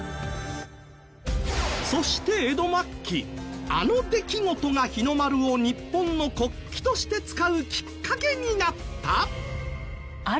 そして江戸末期あの出来事が日の丸を日本の国旗として使うきっかけになった？